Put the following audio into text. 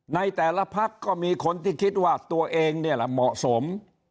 ในแต่ละพักก็มีคนที่คิดว่าตัวเองเนี่ยแหละเหมาะสม